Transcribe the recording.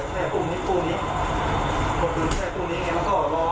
ปีบไว้ไปไหน